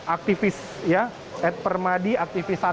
at permadi aktivis satu